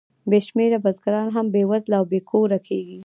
بې شمېره بزګران هم بېوزله او بې کوره کېږي